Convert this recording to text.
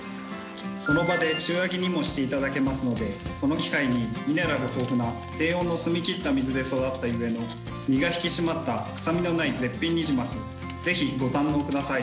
その場で塩焼きにもしていただけますのでこの機会にミネラル豊富な低温の澄み切った水で育ったゆえの身が引き締まった臭みのない絶品ニジマスぜひご堪能ください。